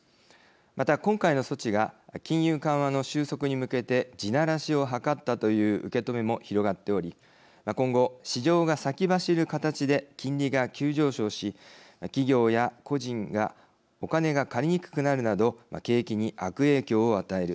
また、今回の措置が金融緩和の収束に向けて地ならしを図ったという受け止めも広がっており、今後市場が先走る形で金利が急上昇し企業や個人がお金が借りにくくなるなど景気に悪影響を与える。